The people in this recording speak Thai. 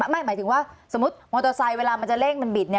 หมายถึงว่าสมมุติมอเตอร์ไซค์เวลามันจะเร่งมันบิด